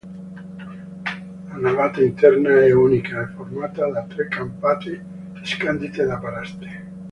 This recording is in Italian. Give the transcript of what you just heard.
La navata interna è unica e formata da tre campate scandite da paraste.